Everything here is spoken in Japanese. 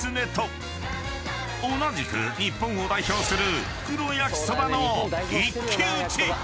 ［同じく日本を代表する袋焼そばの一騎打ち！］